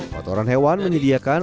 kotoran hewan menyediakan